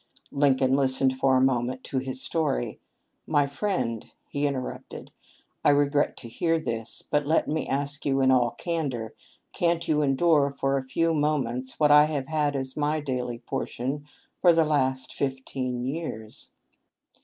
Lincoln lis tened for a moment to his story. " My friend," he interrupted, " I regret to hear this, but let me ask you in all candor, can't you endure for a few moments what I have had as my daily portion for the last fifteen years